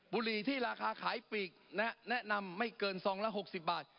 บุหรี่ที่ราคาขายปีกแนะนำไม่เกินซองละ๖๐บาท